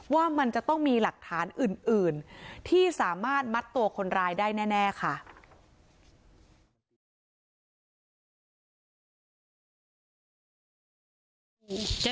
ว่ามันจะต้องมีหลักฐานอื่นที่สามารถมัดตัวคนร้ายได้แน่ค่ะ